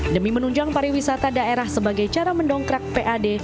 demi menunjang pariwisata daerah sebagai cara mendongkrak pad